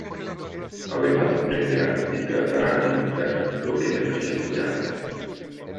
Además aprenderá y tratará de imitar lo que la criatura hace.